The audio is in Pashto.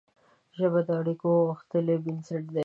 ژبه د اړیکو غښتلی بنسټ دی